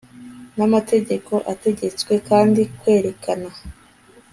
namategeko ategetswe kandi kwerekana